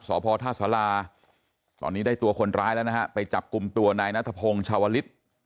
สพท่าสาราตอนนี้ได้ตัวคนร้ายแล้วนะฮะไปจับกลุ่มตัวนายนัทพงศ์ชาวลิศ